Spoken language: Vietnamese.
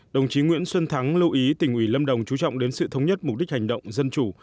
đồng chí nguyễn xuân thắng lưu ý tỉnh ủy lâm đồng chú trọng đến sự thống nhất mục đích hành động dân chủ